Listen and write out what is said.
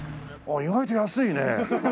意外と安いね。